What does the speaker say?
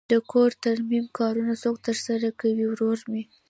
د کور ترمیم کارونه څوک ترسره کوی؟ ورور می